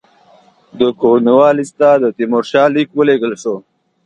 د کورنوالیس ته د تیمورشاه لیک ولېږل شو.